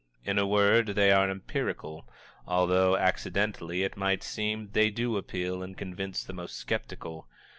In a word, they are empirical, although, accidentally it might seem, they do appeal and convince the most skeptical.